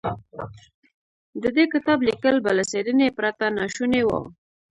د دې کتاب ليکل به له څېړنې پرته ناشوني و.